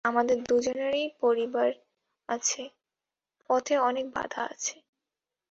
আমাদের দুজনেরই পরিবার আছে, পথে অনেক বাধা আছে।